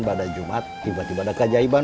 pada jumat tiba tiba ada keajaiban